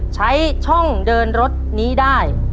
ใช้ช่องเดินรถนี้ได้